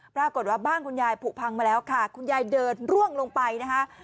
ปรากฏว่าบ้านคุณยายผูกพังมาแล้วค่ะคุณยายเดินร่วงลงไปนะคะ